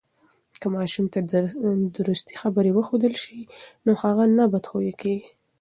که ماشوم ته درستی خبرې وښودل سي، نو هغه نه بد خویه کیږي.